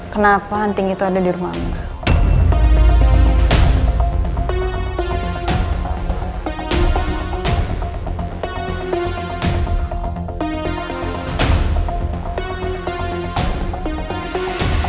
kenapa anting itu ada di rumah mama